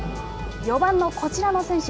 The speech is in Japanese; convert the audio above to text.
４番のこちらの選手。